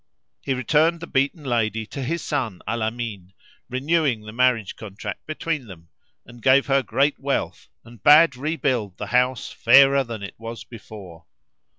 He returned the beaten lady to his son, Al Amin, renewing the marriage contract between them and gave her great wealth and bade rebuild the house fairer than it was before.